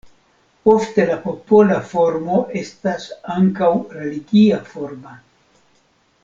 Ofte la popola formo estas ankaŭ religia forma.